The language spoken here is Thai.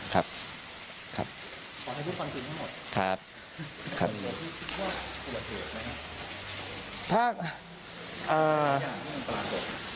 ขอให้พูดความจริงทั้งหมดมีใครที่คิดว่าอุบัติเหตุไหมครับ